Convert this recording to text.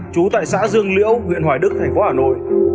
trú tại xã dương liễu huyện hoài đức thành phố hà nội